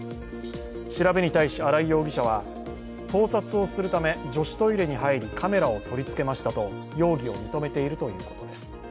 調べに対し新井容疑者は、盗撮をするため女子トイレに入りカメラを取り付けましたと容疑を認めているということです。